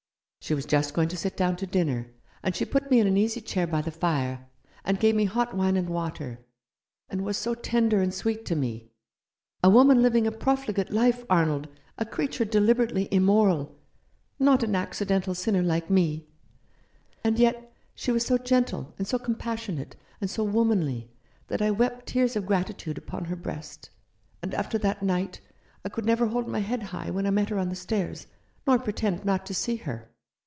She was just going to sit down to dinner, and she put me in an easy chair by the fire, and gave me hot wine and water, and was so tender and sweet to me — a woman living a profligate life, Arnold, a creature deliberately immoral — not an accidental sinner like me — and yet she was so gentle and so compas sionate, and so womanly, that I wept tears of gratitude upon her breast. And after that night I could never hold my head high when I met her on the stairs, nor pretend not to see her.